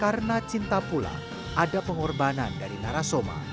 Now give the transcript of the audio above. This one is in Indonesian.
karena cinta pula ada pengorbanan dari narasoma